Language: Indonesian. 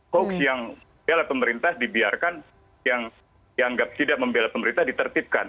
hoax yang bela pemerintah dibiarkan yang dianggap tidak membela pemerintah ditertibkan